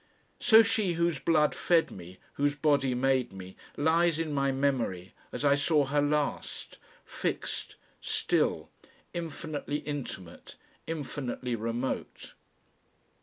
So she whose blood fed me, whose body made me, lies in my memory as I saw her last, fixed, still, infinitely intimate, infinitely remote....